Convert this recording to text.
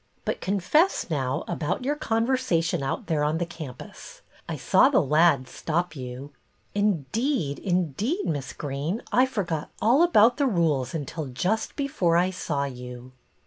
But confess, now, about your conversation out there on the campus. I saw the lad stop you." " Indeed, indeed. Miss Greene, I forgot all about the rules until just before I saw you."